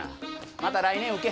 また来年受け。